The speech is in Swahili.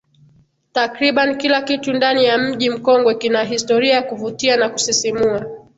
Takribani kila kitu ndani ya Mji Mkongwe kina historia ya kuvutia na kusisimua